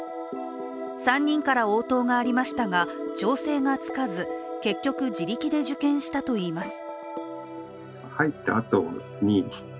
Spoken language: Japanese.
３人から応答がありましたが、調整がつかず結局、自力で受検したといいます。